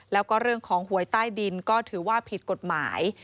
แล้วก็เรื่องของหวยใต้ดินก็ถือว่าผิดกฎหมาย